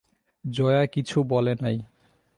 জয়া কিছু বলে নাই।